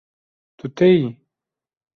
Tu têyî